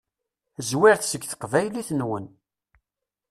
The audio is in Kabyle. Zwiret seg teqbaylit-nwen.